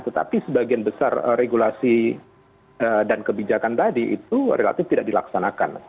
tetapi sebagian besar regulasi dan kebijakan tadi itu relatif tidak dilaksanakan